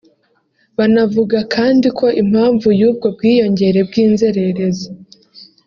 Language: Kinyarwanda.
Banavuga kandi ko impamvu y’ubwo bwiyongere bw’inzererezi